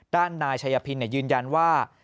นายชัยพินยืนยันว่า